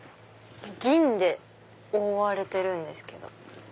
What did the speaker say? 銀で覆われてるんですけど。